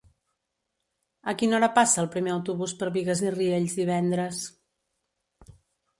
A quina hora passa el primer autobús per Bigues i Riells divendres?